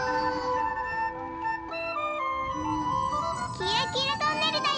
きらきらトンネルだよ。